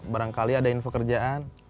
barangkali ada info kerjaan